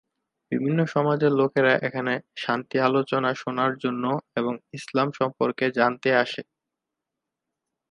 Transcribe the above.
বিভিন্ন সমাজের লোকেরা এখানে শান্তি আলোচনা শোনার জন্য এবং ইসলাম সম্পর্কে জানতে আসে।